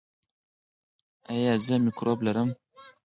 ایا زه مکروب لرم؟